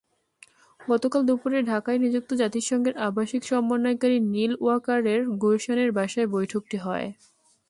গতকাল দুপুরে ঢাকায় নিযুক্ত জাতিসংঘের আবাসিক সমন্বয়কারী নিল ওয়াকারের গুলশানের বাসায় বৈঠকটি হয়।